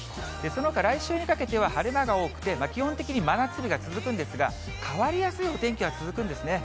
そのほか来週にかけては晴れ間が多くて、基本的に真夏日が続くんですが、変わりやすいお天気が続くんですね。